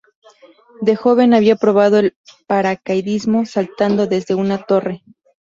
De joven había probado el paracaidismo saltando desde una torre.